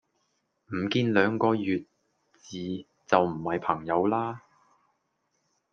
唔見兩個月字就唔係朋友啦